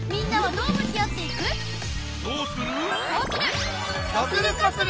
どうする？